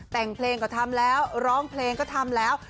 แต่งเพลงก็ทำแล้วร้องเพลงก็ทำแล้ว